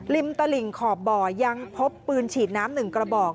ตลิ่งขอบบ่อยังพบปืนฉีดน้ำ๑กระบอก